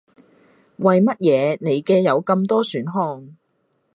為乜嘢你嘅有咁多選項